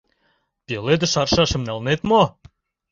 — Пеледыш аршашым налнет мо?